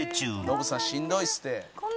「ノブさんしんどいですって」